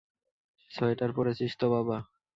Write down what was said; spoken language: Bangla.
সোয়েটার পড়েছিস তো বাবা?